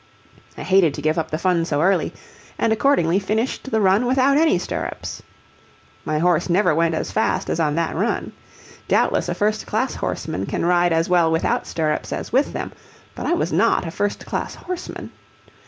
I hated to give up the fun so early, and accordingly finished the run without any stirrups. My horse never went as fast as on that run. Doubtless a first class horseman can ride as well without stirrups as with them. But I was not a first class horseman.